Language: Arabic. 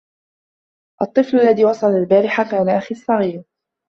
الطفل, الذي وصل البارحة, كان اخي الصغير